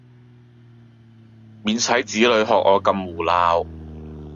免使子女學我咁胡鬧